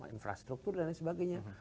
infrastruktur dan lain sebagainya